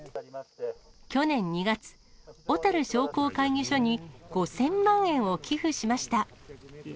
去年２月、小樽商工会議所に５０００万円を寄付しました。